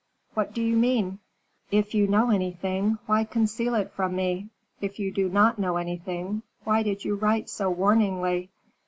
"What do you mean?" "If you know anything, why conceal it from me? If you do not know anything, why did you write so warningly?"